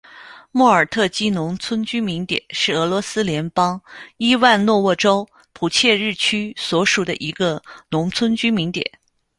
莫尔特基农村居民点是俄罗斯联邦伊万诺沃州普切日区所属的一个农村居民点。